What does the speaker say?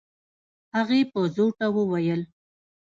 هغې په زوټه وويل.